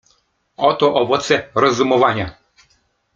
"Oto owoce rozumowania."